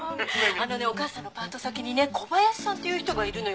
あのねお母さんのパート先にね小林さんっていう人がいるのよ。